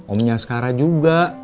omnya askara juga